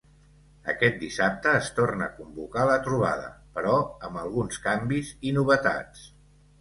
Aquest dissabte es torna a convocar la trobada, però amb alguns canvis i novetats.